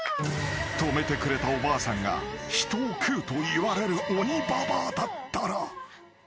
［泊めてくれたおばあさんが人を食うといわれる鬼ババアだったら］